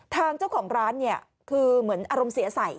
ทางเจ้าของร้านเนี่ยคือเหมือนอารมณ์เสียใส่